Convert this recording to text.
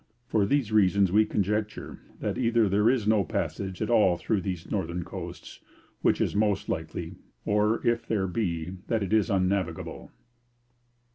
for these reasons we coniecture that either there is no passage at all through these Northerne coasts, which is most likely, or if there be, that it is unnavigable_.'